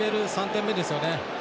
３点目ですよね。